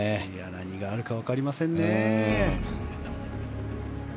何があるか分かりませんね。